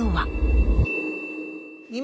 今？